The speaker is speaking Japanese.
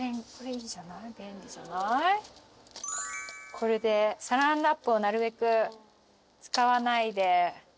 これでサランラップをなるべく使わないで。